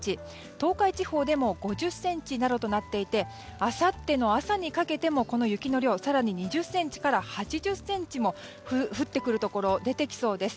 東海地方でも５０ｃｍなどとなっていてあさっての朝にかけてもこの雪の量は更に２０ｃｍから８０ｃｍも降ってくるところが出てきそうです。